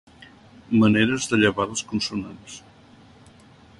Maneres de llevar les consonants.